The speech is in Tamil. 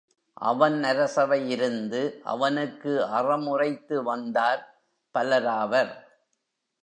அவன் அரசவை இருந்து, அவனுக்கு அறம் உரைத்து வந்தார் பலராவர்.